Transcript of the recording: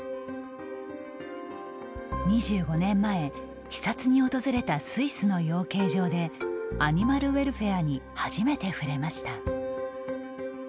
２５年前視察に訪れたスイスの養鶏場でアニマルウェルフェアに初めて触れました。